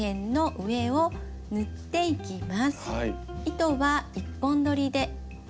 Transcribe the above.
糸は１本どりで。